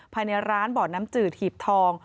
ภายในร้านบ่อน้ำจืดหีบทอง